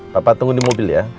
bapak tunggu di mobil ya